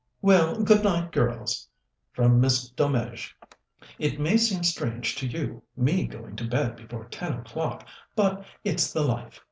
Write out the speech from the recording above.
"Well, good night, girls," from Miss Delmege. "It may seem strange to you, me going to bed before ten o'clock, but it's the life.